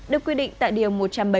được quy định tại điều một trăm bảy mươi